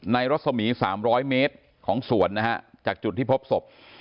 รัศมี๓๐๐เมตรของสวนนะฮะจากจุดที่พบศพ